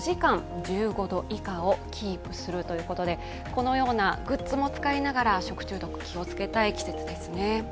このようなグッズも使いながら食中毒気をつけたいですね。